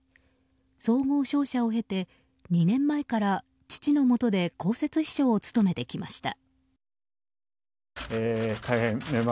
総合商社を経て、２年前から父のもとで公設秘書を務めてきました。